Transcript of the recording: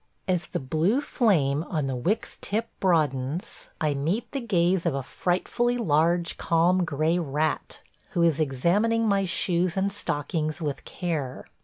... As the blue flame on the wick's tip broadens I meet the gaze of a frightfully large, calm gray rat who is examining my shoes and stockings with care.